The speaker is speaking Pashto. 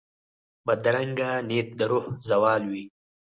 بدرنګه نیت د روح زوال وي